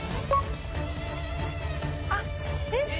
あっえっ？